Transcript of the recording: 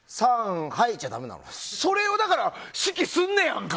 それを指揮すんねやんか！